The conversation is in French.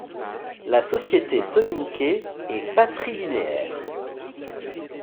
La société soninké est patrilinéaire.